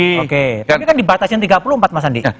tapi kan dibatasi tiga puluh empat mas andi